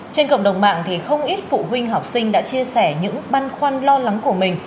trên cộng đồng mạng thì không ít phụ huynh học sinh đã chia sẻ những băn khoăn lo lắng của mình